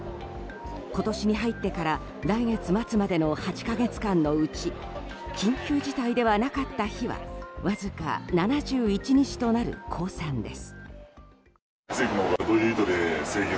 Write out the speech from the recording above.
今年に入ってから来月末までの８か月間のうち緊急事態ではなかった日はわずか７１日となる公算です。